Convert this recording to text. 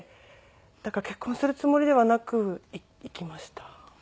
だから結婚するつもりではなく行きました。